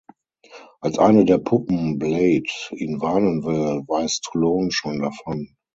Als eine der Puppen, Blade, ihn warnen will, weiß Toulon schon davon.